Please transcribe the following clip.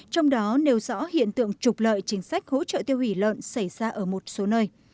trong đó nêu rõ hiện tượng trục lợi chính sách hỗ trợ tiêu hủy lợn xảy ra ở một số nơi